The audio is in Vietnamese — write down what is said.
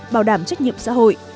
bảo đảm trách nhiệm xã hội